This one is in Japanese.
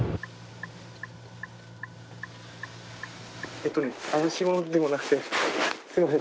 えっとね怪しい者でもなくてすみません